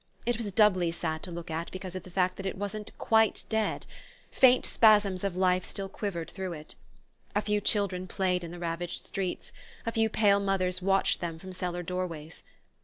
It was doubly sad to look at because of the fact that it wasn't quite dead; faint spasms of life still quivered through it. A few children played in the ravaged streets; a few pale mothers watched them from cellar doorways.